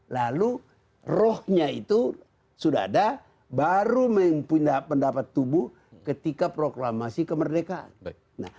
lalu rohnya itu sudah ada baru pendapat tubuh ketika proklamasi kemerdekaan